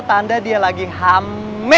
tanda dia lagi hamil